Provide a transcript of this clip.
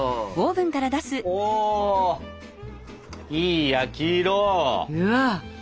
おおいい焼き色！